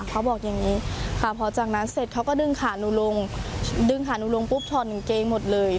เขาบอกอย่างนี้ค่ะพอจากนั้นเสร็จเขาก็ดึงขาหนูลงดึงขาหนูลงปุ๊บถอดกางเกงหมดเลย